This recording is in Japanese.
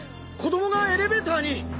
子供がエレベーターに。